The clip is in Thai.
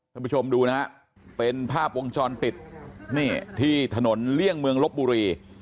ท่านผู้ชมดูนะฮะเป็นภาพวงจรปิดนี่ที่ถนนเลี่ยงเมืองลบบุรี